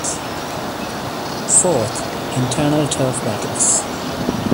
Fourth, internal turf battles.